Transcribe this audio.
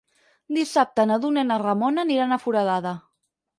Dissabte na Duna i na Ramona aniran a Foradada.